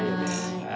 はい。